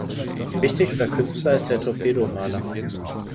Wichtigster Künstler ist der Torpedo-Maler.